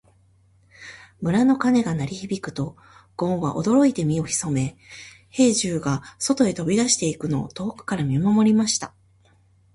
村の鐘が鳴り響くと、ごんは驚いて身を潜め、兵十が外へ飛び出していくのを遠くから見守りました。